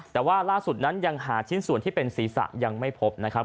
แต่ว่าล่าสุดนั้นยังหาชิ้นส่วนที่เป็นศีรษะยังไม่พบนะครับ